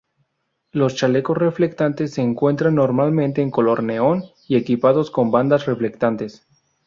Los chalecos reflectantes se encuentran normalmente en color neón y equipados con bandas reflectantes.